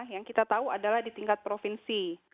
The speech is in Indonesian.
yang kita tahu adalah di tingkat provinsi